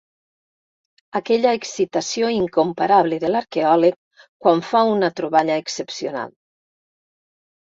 Aquella excitació incomparable de l'arqueòleg quan fa una troballa excepcional.